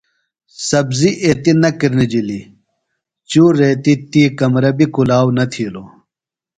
سبزیۡ ایتیۡ نہ کِرنِجِلیۡ۔ چُور ریتیۡ تی کمرہ بیۡ کُھلاؤ نہ تِھیلوۡ۔